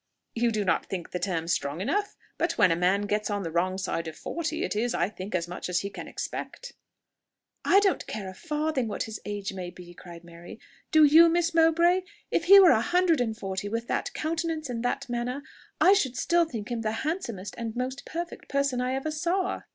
"You do not think the term strong enough? but when a man gets on the wrong side of forty it is, I think, as much as he can expect." "I don't care a farthing what his age maybe," cried Mary; "do you, Miss Mowbray?... If he were a hundred and forty, with that countenance and that manner, I should still think him the handsomest and most perfect person I ever saw."